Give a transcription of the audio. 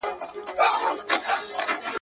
تاسې ولې تل مسواک له ځان سره ګرځوئ؟